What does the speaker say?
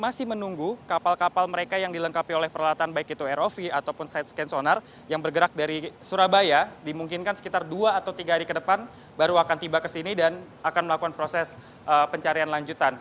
masih menunggu kapal kapal mereka yang dilengkapi oleh peralatan baik itu rov ataupun side scan sonar yang bergerak dari surabaya dimungkinkan sekitar dua atau tiga hari ke depan baru akan tiba ke sini dan akan melakukan proses pencarian lanjutan